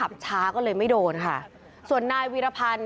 แล้วก็ได้คุยกับนายวิรพันธ์สามีของผู้ตายที่ว่าโดนกระสุนเฉียวริมฝีปากไปนะคะ